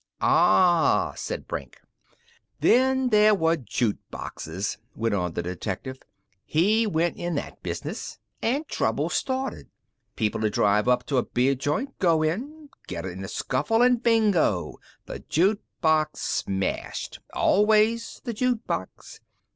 "Ah," said Brink. "Then there were juke boxes," went on the detective. "He went in that business an' trouble started. People'd drive up to a beer joint, go in, get in a scuffle an' bingo! The juke box smashed. Always the juke box.